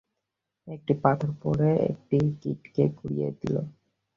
একটি পাথর পড়ে একটি কীটকে গুঁড়িয়ে দিল।